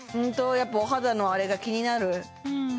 やっぱお肌の荒れが気になる？